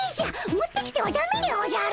持ってきてはダメでおじゃる！